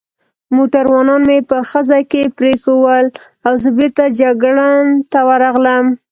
موټروانان مې په خزه کې پرېښوول او زه بېرته جګړن ته ورغلم.